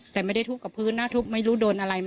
แต่ไม่ได้ทุบกับพื้นนะทุบไม่รู้โดนอะไร